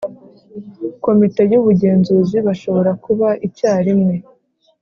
Komite y ubugenzuzi bashobora kuba icyarimwe